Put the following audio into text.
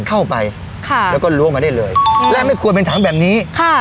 เข้าไปค่ะแล้วก็ล้วงมาได้เลยและไม่ควรเป็นถังแบบนี้ค่ะ